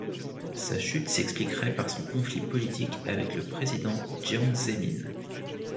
Sa chute s'expliquerait par son conflit politique avec le président Jiang Zemin.